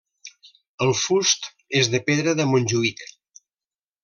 El fust és de pedra de Montjuïc.